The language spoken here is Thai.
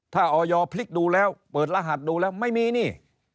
ถ้าออยพลิกดูแล้วเปิดรหัสดูแล้วไม่มีนี่